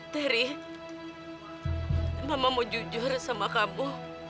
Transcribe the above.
terry mama mau jujur sama kamu